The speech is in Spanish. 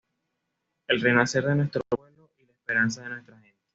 El renacer de nuestro pueblo y la esperanza de nuestra gente.